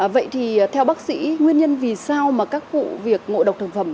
vậy thì theo bác sĩ nguyên nhân vì sao mà các vụ việc ngộ độc thực phẩm